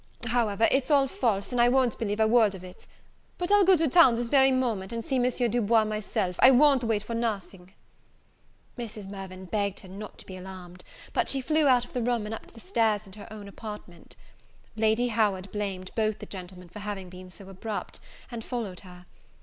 However, it's all false, and I won't believe a word of it; but I'll go to town this very moment, and see M. Du Bois myself; I won't wait for nothing." Mrs. Mirvan begged her not to be alarmed; but she flew out of the room, and up stairs into her own apartment. Lady Howard blamed both the gentlemen for having been so abrupt, and followed her.